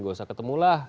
gak usah ketemulah